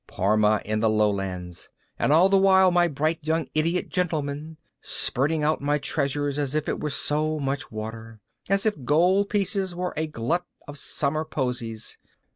Parma in the Lowlands! And all the while my bright young idiot gentlemen spurting out my treasure as if it were so much water, as if gold pieces were a glut of summer posies.